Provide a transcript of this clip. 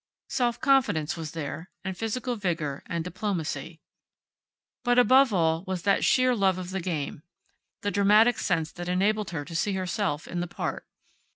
Self confidence was there, and physical vigor, and diplomacy. But above all there was that sheer love of the game; the dramatic sense that enabled her to see herself in the part.